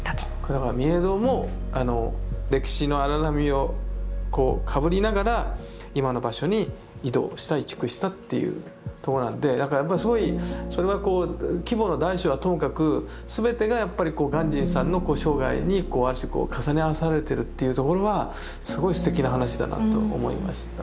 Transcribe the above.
だから御影堂も歴史の荒波をかぶりながら今の場所に移動した移築したっていうとこなんでだからやっぱすごいそれは規模の大小はともかく全てがやっぱり鑑真さんの生涯に重ね合わされてるっていうところはすごいすてきな話だなと思いました。